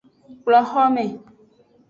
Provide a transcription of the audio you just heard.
Kplo xome.